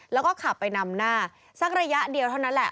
แล้วก็ขับไปนำหน้าสักระยะเดียวเท่านั้นแหละ